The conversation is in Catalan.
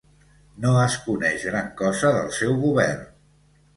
No es coneix gran cosa del seu govern.